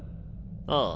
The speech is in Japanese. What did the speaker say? ああ。